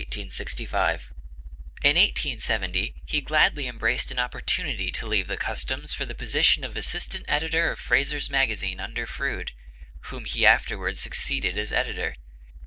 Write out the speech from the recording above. In 1870 he gladly embraced an opportunity to leave the Customs for the position of assistant editor of Fraser's Magazine under Froude, whom he afterward succeeded as editor.